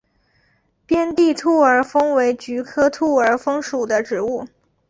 边地兔儿风为菊科兔儿风属的植物。